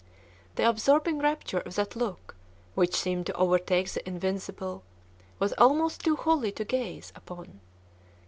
The absorbing rapture of that look, which seemed to overtake the invisible, was almost too holy to gaze upon.